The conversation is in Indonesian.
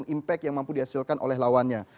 impact yang mampu dihasilkan oleh lawannya